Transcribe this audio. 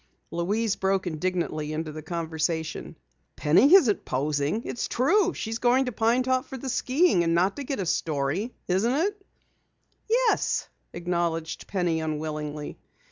Louise broke indignantly into the conversation. "Penny isn't posing! It's true she is going to Pine Top for the skiing and not to get a story. Isn't it?" "Yes," acknowledged Penny unwillingly.